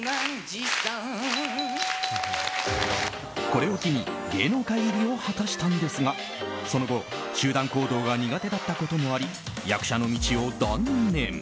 これを機に芸能界入りを果たしたんですがその後、集団行動が苦手だったこともあり役者の道を断念。